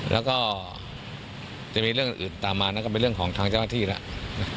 แล้วก็จะมีเรื่องอื่นตามมานั่นก็เป็นเรื่องของทางเจ้าหน้าที่แล้ว